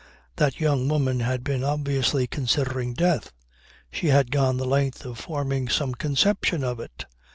That young woman had been obviously considering death. She had gone the length of forming some conception of it.